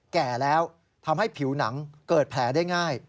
แก่แล้วทำให้ผิวหนังเกิดแผลได้ง่าย